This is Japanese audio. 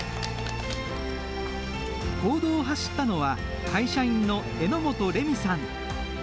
公道を走ったのは、会社員の榎本礼美さん。